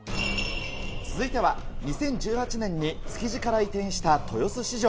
続いては、２０１８年に築地から移転した豊洲市場。